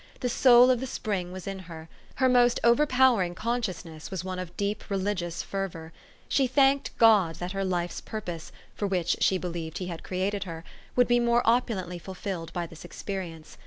The soul of the spring was in her. Her most overpowering consciousness was one of deep religious fervor. She thanked God that her life's purpose, for which she believed He had created her, would be more opulently fulfilled by this experience.